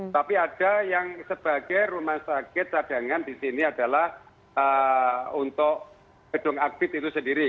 tapi ada yang sebagai rumah sakit cadangan di sini adalah untuk gedung aktif itu sendiri